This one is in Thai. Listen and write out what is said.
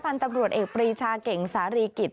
พันธุ์ตำรวจเอกปรีชาเก่งสารีกิจ